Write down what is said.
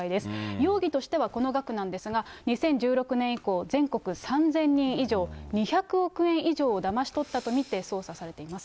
容疑としてはこの額なんですが、２０１６年以降、全国３０００人以上、２００億円以上をだまし取ったと見て捜査されています。